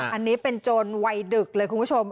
อันนี้เป็นโจรวัยดึกเลยคุณผู้ชม